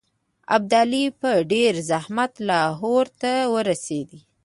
ابدالي په ډېر زحمت لاهور ته ورسېدی.